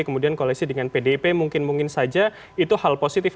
kemudian koalisi dengan pdip mungkin mungkin saja itu hal positif